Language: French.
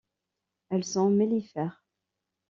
Elles sont mellifères.